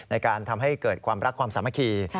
ในการทำให้เกิดความรักความสามัคคี